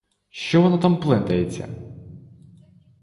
Що воно там плентається?!.